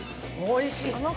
おいしい！